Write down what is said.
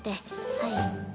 はい。